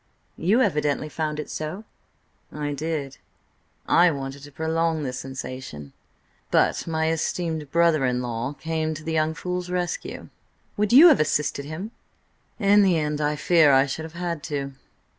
"You evidently found it so." "I did. I wanted to prolong the sensation, but my esteemed brother in law came to the young fool's rescue." "Would you have assisted him?" "In the end I fear I should have had to."